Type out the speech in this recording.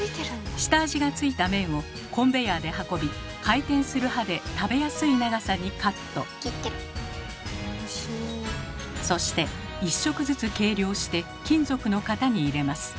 下味がついた麺をコンベヤーで運び回転する刃でそして一食ずつ計量して金属の型に入れます。